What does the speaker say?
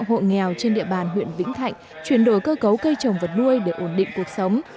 hộ nghèo trên địa bàn huyện vĩnh thạnh chuyển đổi cơ cấu cây trồng vật nuôi để ổn định cuộc sống